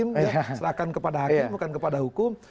mereka menggunakan kepada hakim bukan kepada hukum